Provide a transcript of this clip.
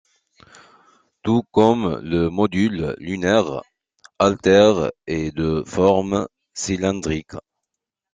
Tout comme le module lunaire, Altair est de forme cylindrique.